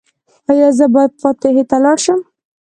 ایا زه باید فاتحې ته لاړ شم؟